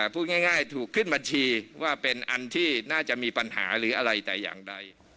พูดง่ายถูกขึ้นบัญชีว่าเป็นอันที่น่าจะมีปัญหาหรืออะไรแต่อย่างใด